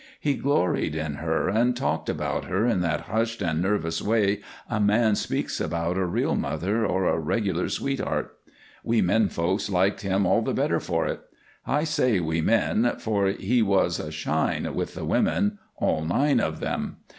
He gloried in her and talked about her in that hushed and nervous way a man speaks about a real mother or a regular sweetheart. We men folks liked him all the better for it. I say we men, for he was a "shine" with the women all nine of them.